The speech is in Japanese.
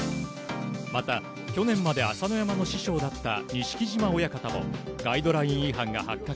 また、去年まで朝乃山の師匠だった錦島親方もガイドライン違反が発覚。